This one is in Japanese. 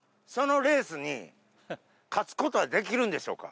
私が急きょ参加して、そのレースに勝つことはできるんでしょうか。